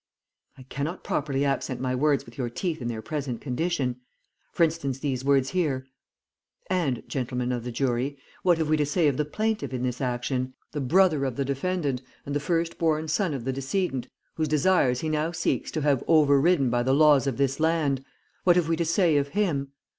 "'I cannot properly accent my words with your teeth in their present condition. For instance these words here: _And, gentlemen of the jury, what have we to say of the plaintiff in this action, the brother of the defendant and the firstborn son of the decedent whose desires he now seeks to have over ridden by the laws of this land, what have we to say of him?